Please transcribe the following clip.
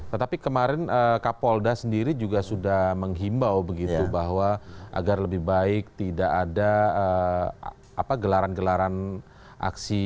tetapi kemarin kapolda sendiri juga sudah menghimbau begitu bahwa agar lebih baik tidak ada gelaran gelaran aksi